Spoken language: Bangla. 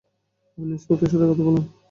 আপনি ইন্সপেক্টরের সাথে কথা বলুন।